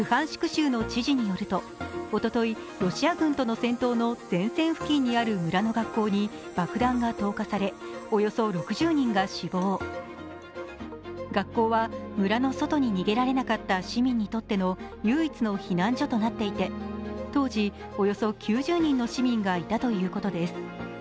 州の知事によると、おととい、ロシア軍との戦闘の前線付近にある村の学校に爆弾が投下され、およそ６０人が死亡学校は村の外に逃げられなかった市民にとっての唯一の避難所となっていて、当時、およそ９０人の市民がいたということです。